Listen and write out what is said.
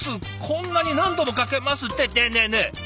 こんなに何度もかけますってねえねえねえ！